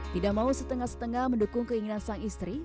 tidak mau setengah setengah mendukung keinginan sang istri